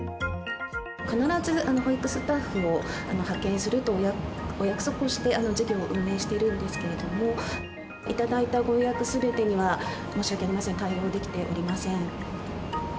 必ず保育スタッフを派遣するとお約束して、事業を運営しているんですけれども、いただいたご予約すべてには申し訳ありません、対応できておりません。